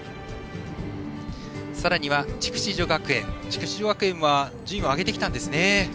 さらに、筑紫女学園は順位を上げてきたんですね。